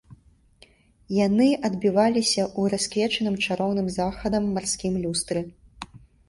Яны адбіваліся ў расквечаным чароўным захадам марскім люстры.